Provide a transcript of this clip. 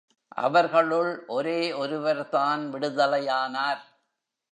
அவர்களுள் ஒரே ஒருவர்தான் விடுதலையானார்.